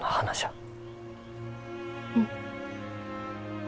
うん。